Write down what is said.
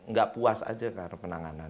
merasa tidak puas saja karena penanganan